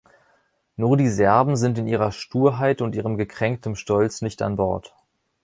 Nur die Serben sind in ihrer Sturheit und ihrem gekränktem Stolz nicht an Bord.